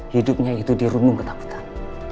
hidupnya itu dirundung ketakutan